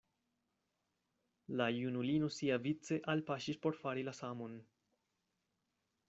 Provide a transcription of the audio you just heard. La junulino siavice alpaŝis por fari la samon.